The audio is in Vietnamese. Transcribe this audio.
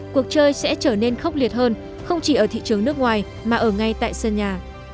cuộc chơi sẽ trở nên khốc liệt hơn không chỉ ở thị trường nước ngoài mà ở ngay tại sân nhà